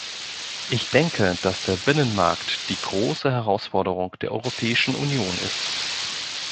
Ich denke, dass der Binnenmarkt die große Herausforderung der Europäischen Union ist.